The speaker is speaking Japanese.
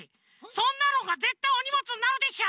そんなのはぜったいおにもつになるでしょ！